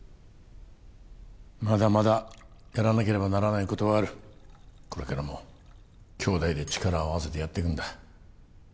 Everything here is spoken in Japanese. まだまだやらなければならないことはあるこれからも兄弟で力を合わせてやってくんだ